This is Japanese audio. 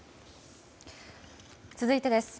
続いてです。